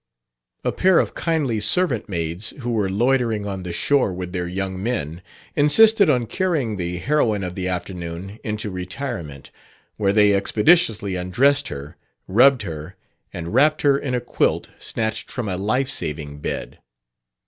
A pair of kindly servant maids, who were loitering on the shore with their young men, insisted on carrying the heroine of the afternoon into retirement, where they expeditiously undressed her, rubbed her, and wrapped her in a quilt snatched from a life saving bed.